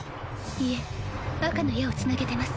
いえ赤の矢をつなげてます